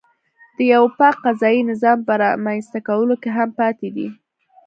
د یوه پاک قضایي نظام په رامنځته کولو کې هم پاتې دی.